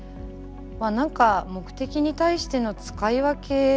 まあ何か目的に対しての使い分け